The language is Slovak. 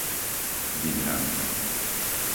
Vydranka